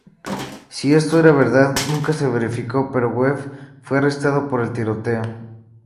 Si esto era verdad nunca se verificó, pero Webb fue arrestado por el tiroteo.